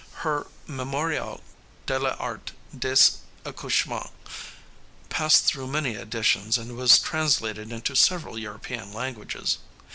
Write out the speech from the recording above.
Her Memorial de l'Art des Accouchements passed through many editions and was translated into several European languages.